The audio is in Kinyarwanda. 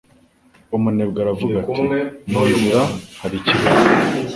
Umunebwe aravuga ati «Mu nzira hari ikirura